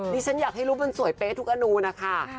ฉันอยากให้รูปมันสวยเป๊ะทุกอนูนะคะ